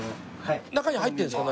中に入ってるんですか？